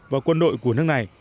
và quân đội của nước này